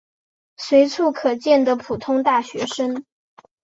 随处可见的普通大学生。